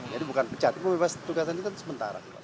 jadi bukan pecat membebas tugasannya kan sementara